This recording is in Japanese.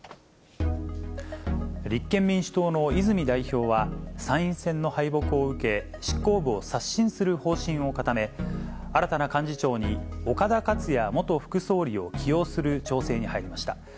立憲民主党の泉代表は、参院選の敗北を受け、執行部を刷新する方針を固め、新たな幹事長に、岡田克也元副総理を起用する調整に入りました。